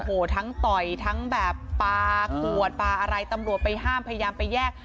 โอ้โหทั้งต่อยทั้งแบบปลาขวดปลาอะไรตำรวจไปห้ามพยายามไปแยก